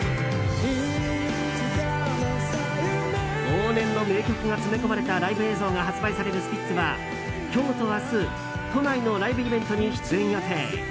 往年の名曲が詰め込まれたライブ映像が発売されるスピッツは今日と明日都内のライブイベントに出演予定。